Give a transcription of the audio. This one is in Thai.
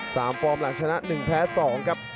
ฟอร์มหลังชนะหนึ่งแพ้สองครับ